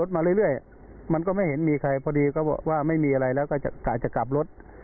ชั้นก็พูดว่าไม่มีอะไรแล้วก็จะกลับรถ